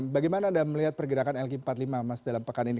bagaimana anda melihat pergerakan lk empat puluh lima mas dalam pekan ini